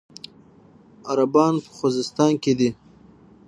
عربان په خوزستان کې دي.